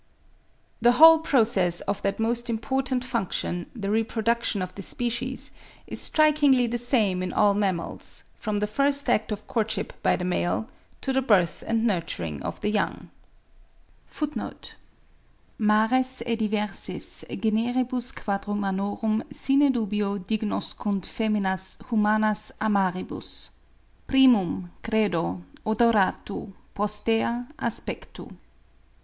The whole process of that most important function, the reproduction of the species, is strikingly the same in all mammals, from the first act of courtship by the male (11. Mares e diversis generibus Quadrumanorum sine dubio dignoscunt feminas humanas a maribus. Primum, credo, odoratu, postea aspectu.